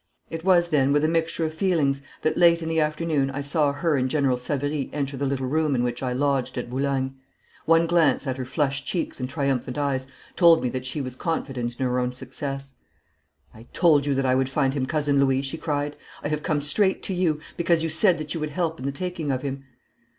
It was then with a mixture of feelings that late in the afternoon I saw her and General Savary enter the little room in which I lodged at Boulogne. One glance at her flushed cheeks and triumphant eyes told me that she was confident in her own success. 'I told you that I would find him, Cousin Louis!' she cried; 'I have come straight to you, because you said that you would help in the taking of him.'